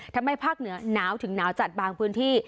ภาคเหนือหนาวถึงหนาวจัดบางพื้นที่